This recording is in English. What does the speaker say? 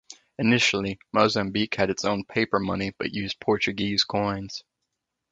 Initially, Mozambique had its own paper money but used Portuguese coins.